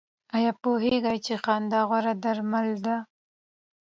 ایا پوهیږئ چې خندا غوره درمل ده؟